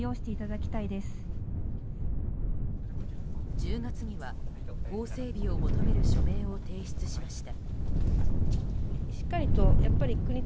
１０月には法整備を求める署名を提出しました。